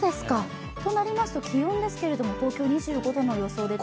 となりますと気温ですが、東京２５度の予想ですが。